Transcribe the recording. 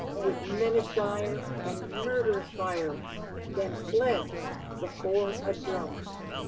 With menace dire, and murderous fire ; Then fled before a drum